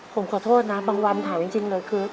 ผมขอโทษนะบางวันถามจริงเลยคือ